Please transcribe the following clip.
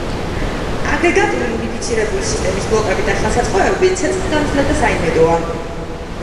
აგრეგატული უნიფიცირებული სისტემის ბლოკები და ხელსაწყოები ცეცხლგამძლე და საიმედოა.